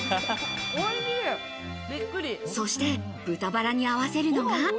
そして豚バラに合わせるのが。